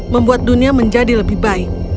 membuat dunia menjadi lebih baik